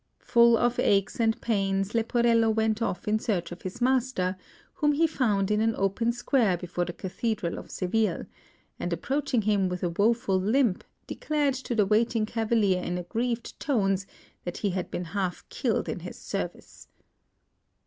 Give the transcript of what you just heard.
Full of aches and pains, Leporello went off in search of his master, whom he found in an open square before the Cathedral of Seville, and approaching him with a woeful limp, declared to the waiting cavalier in aggrieved tones that he had been half killed in his service.